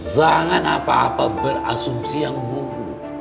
jangan apa apa berasumsi yang bumbu